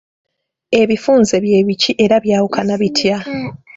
Ebifunze bye biki era byawukana bitya?